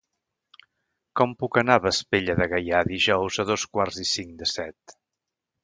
Com puc anar a Vespella de Gaià dijous a dos quarts i cinc de set?